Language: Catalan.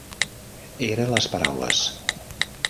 Era a les paraules.